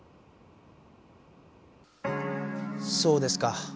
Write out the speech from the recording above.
そうですか。